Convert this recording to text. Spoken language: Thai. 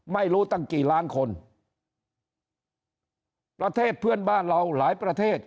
ไม่รู้ตั้งกี่ล้านคนประเทศเพื่อนบ้านเราหลายประเทศ